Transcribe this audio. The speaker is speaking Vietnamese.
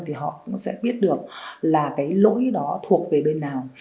thì họ cũng sẽ biết được là cái lỗi đó thuộc về bên nào